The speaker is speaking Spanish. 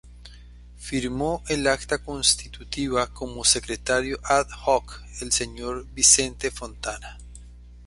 Firmó el acta constitutiva como secretario ad-hoc el señor Vicente Fontana.